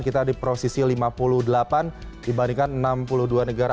kita di posisi lima puluh delapan dibandingkan enam puluh dua negara